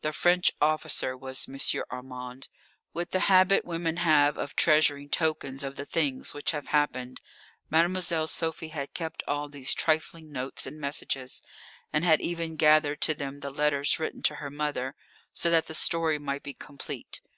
The French officer was M. Armand. With the habit women have of treasuring tokens of the things which have happened, Mademoiselle Sophie had kept all these trifling notes and messages, and had even gathered to them the letters written to her mother, so that the story might be complete.